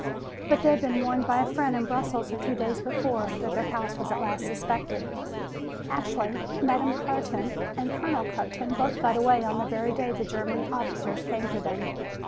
But they had been warned by a friend in Brussels a few days before, that their house was at last suspected. Actually Madame Carton and Colonel Carton both got away on the very day the German officers came for them.